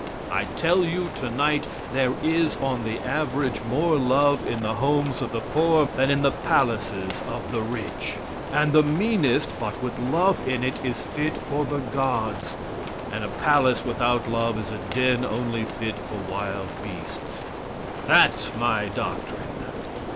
I tell you tonight there is on the average more love in the homes of the poor than in the palaces of the rich; and the meanest but with love in it is fit for the gods, and a palace without love is a den only fit for wild beasts. That's my doctrine!